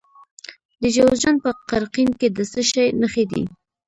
د جوزجان په قرقین کې د څه شي نښې دي؟